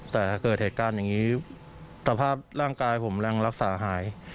แต่ถ้าเกิดเหตุการณ์อย่างนี้สภาพร่างกายผมแรงรักษาหาย